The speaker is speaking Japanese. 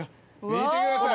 見てください。